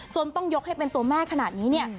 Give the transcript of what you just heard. จนต้องยกให้เป็นตัวแม่ขนาดนี้